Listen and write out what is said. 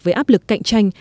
với áp lực cạnh tranh